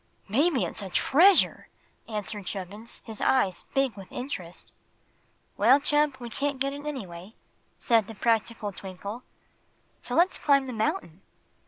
"Maybe it's a treasure!" answered Chubbins, his eyes big with interest. "Well, Chub, we can't get it, anyway," said the practical Twinkle; "so let's climb the mountain."